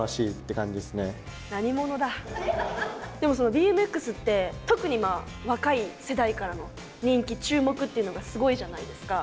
え怖いけどでもそのＢＭＸって特に若い世代からの人気注目っていうのがすごいじゃないですか。